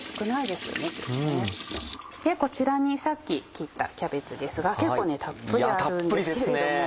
でこちらにさっき切ったキャベツですが結構たっぷりあるんですけれども。